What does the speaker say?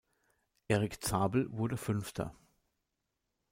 Erik Zabel wurde Fünfter.